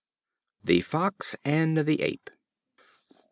The Fox and the Ape.